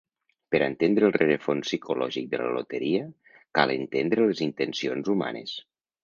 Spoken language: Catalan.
Per entendre el rerefons psicològic de la loteria cal entendre les intencions humanes.